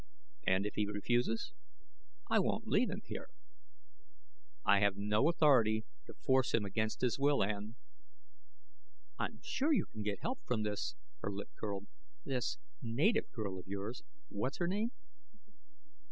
"And if he refuses " "I won't leave him here." "I have no authority to force him against his will, Ann." "I'm sure you can get help from this " her lip curled " this native girl of yours. What's her name?"